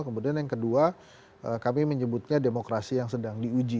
kemudian yang kedua kami menyebutnya demokrasi yang sedang diuji